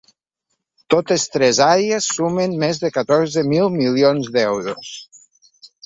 Totes tres àrees sumen més de catorze mil milions d’euros.